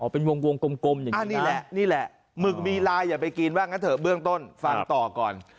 อ๋อเป็นวงกลมนี่แหละหมึกมีลายอย่าไปกินบ้างนะเถอะเบื้องต้นฟังต่อก่อน